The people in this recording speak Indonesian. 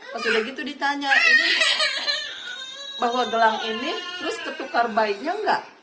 pas udah gitu ditanya bahwa gelang ini terus tertukar bayinya enggak